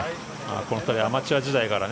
この２人アマチュア時代から。